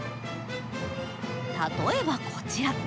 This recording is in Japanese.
例えばこちら。